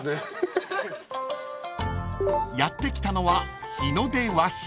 ［やって来たのはひので和紙］